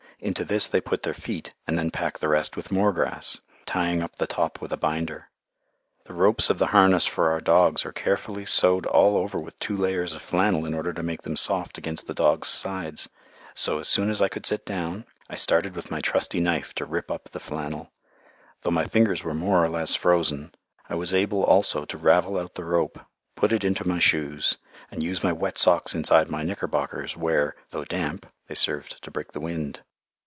Into this they put their feet, and then pack the rest with more grass, tying up the top with a binder. The ropes of the harness for our dogs are carefully sewed all over with two layers of flannel in order to make them soft against the dogs' sides. So, as soon as I could sit down, I started with my trusty knife to rip up the flannel. Though my fingers were more or less frozen, I was able also to ravel out the rope, put it into my shoes, and use my wet socks inside my knickerbockers, where, though damp, they served to break the wind.